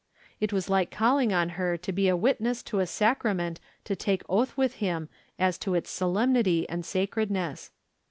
It was like calling on her to be a witness to a sacrament to take oath with him as to its so lemnity and sacredness.